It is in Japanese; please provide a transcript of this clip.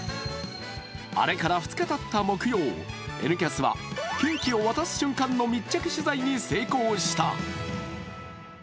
あれから２日たった木曜、「Ｎキャス」はケーキを渡す瞬間の密着取材に成功した。